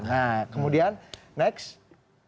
nah kemudian next